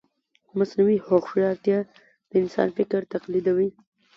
مصنوعي هوښیارتیا د انسان فکر تقلیدوي.